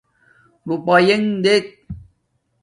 روپونک دیکھی